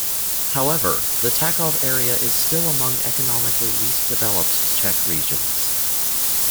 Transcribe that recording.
However, the Tachov area is still among the economically least developed Czech regions.